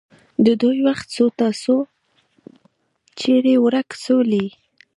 د ډوډی وخت سو تاسو چیري ورک سولې.